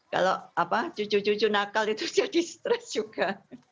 kalau cucu cucu nakal itu jadi stres juga